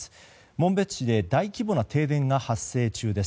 紋別市で大規模な停電が発生中です。